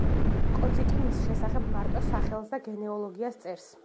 კოძიკი მის შესახებ მარტო სახელს და გენეოლოგიას წერს.